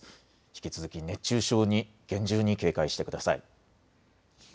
引き続き熱中症に厳重に警戒してください。